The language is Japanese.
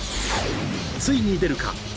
ついに出るか？